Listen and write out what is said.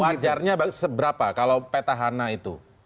wajarnya seberapa kalau petahana itu